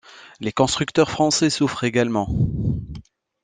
Les constructeurs français souffrent également.